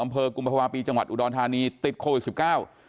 อำเภอกุมภาวะปีจังหวัดอุดรฐานีติดโควิด๑๙